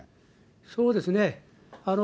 そうですね。